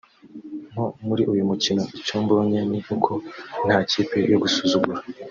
nko muri uyu mukino icyo mbonye ni uko nta kipe yo gusuzugura